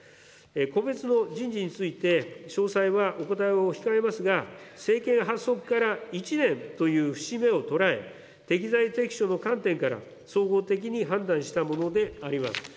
個別の人事について、詳細はお答えを控えますが、政権発足から１年という節目を捉え、適材適所の観点から、総合的に判断したものであります。